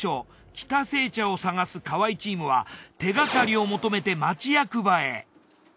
喜多製茶を探す河合チームは手がかりを求めて町役場へ。